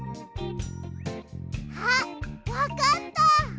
あっわかった！